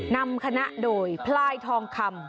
นำคณะโดยพลายทองคำ